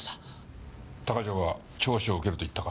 鷹城は聴取を受けると言ったか？